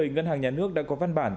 ngân hàng nhà nước đã có văn bản